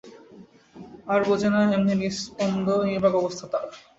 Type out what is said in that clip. আর বোজে না এমনি নিস্পন্দ, নির্বাক অবস্থা তাঁর।